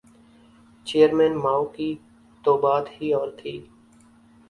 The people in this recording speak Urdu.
چیئرمین ماؤ کی تو بات ہی اور تھی۔